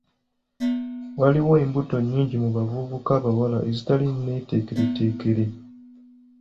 Waliwo embuto nnyingi mu bavubuka abawala ezitali neeteekereteekere.